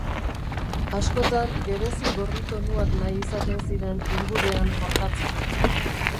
Askotan gerezi-gorri tonuak nahi izaten ziren ingudean forjatzeko.